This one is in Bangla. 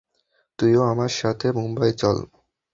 তুইও আমাদের সাথে মুম্বাই চল।